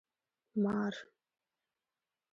🪱 مار